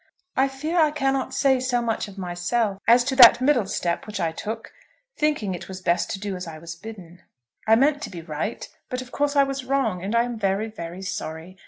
I fear I cannot say so much of myself as to that middle step which I took, thinking it was best to do as I was bidden. I meant to be right, but of course I was wrong, and I am very, very sorry.